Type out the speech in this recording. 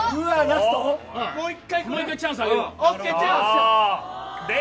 もう１回チャンスあげる。